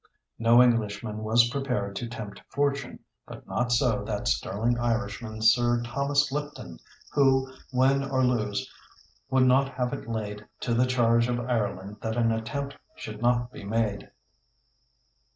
No Englishman was prepared to tempt fortune, but not so that sterling Irishman, Sir Thomas Lipton, who, win or lose, would not have it laid to the charge of Ireland that an attempt should not be made.